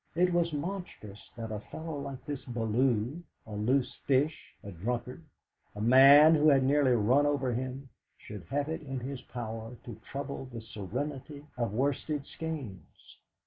It was monstrous that a fellow like this Bellew, a loose fish, a drunkard, a man who had nearly run over him, should have it in his power to trouble the serenity of Worsted Skeynes.